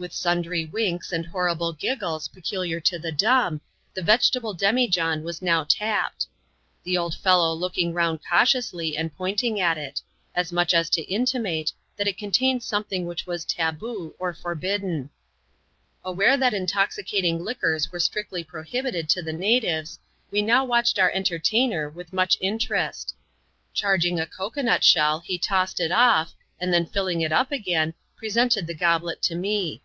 With sundry winks and horrible giggles, peculiar to the dumb, the vegetable demijohn was now tapped; the old fellow lodging round cautiously, and pointing at it; as much as to intimate, that it contained something which was ^^taboo^' or forbidden. Aware that intoxicating liquors were strictly prohibited to the natives, we now watched our entertainer with much in terest. Charging a cocoa nut shell he tossed it ofl^ jaidl then filling it up again, presented the goblet to me.